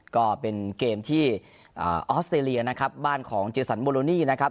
ก็เป็นเกมที่ออสเตรเลียนะครับบ้านของเจสันโมโลนี่นะครับ